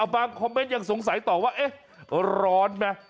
บางคอมเม้นต์ยังสงสัยตอบว่าร้อนไหม